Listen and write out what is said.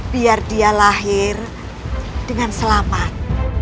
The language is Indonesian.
biar dia lahir dengan selamat